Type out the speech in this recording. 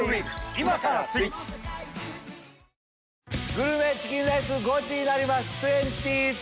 グルメチキンレースゴチになります！